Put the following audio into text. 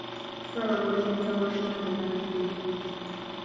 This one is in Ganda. Ssaabawolereza wa Buganda yabadeyo.